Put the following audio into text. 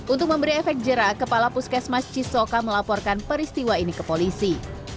untuk memberi efek jerak kepala puskesmas cisoka melaporkan peristiwa ini ke polisi